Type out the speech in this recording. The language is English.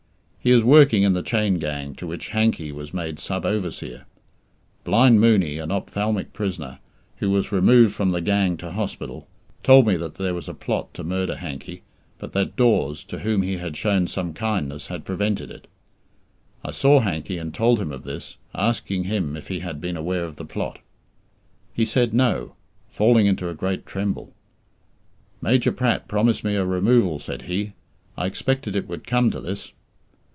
He is working in the chain gang to which Hankey was made sub overseer. Blind Mooney, an ophthalmic prisoner, who was removed from the gang to hospital, told me that there was a plot to murder Hankey, but that Dawes, to whom he had shown some kindness, had prevented it. I saw Hankey and told him of this, asking him if he had been aware of the plot. He said "No," falling into a great tremble. "Major Pratt promised me a removal," said he. "I expected it would come to this."